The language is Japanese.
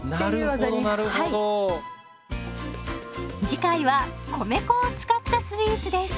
次回は米粉を使ったスイーツです。